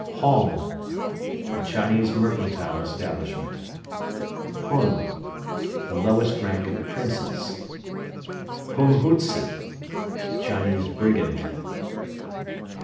Hong. A Chinese mercantile establishment. Hun. The lowest rank of princes. Hunghutze. Chinese brigand.